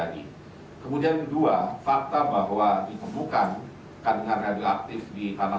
di perumahan batan indah pada tiga puluh januari lalu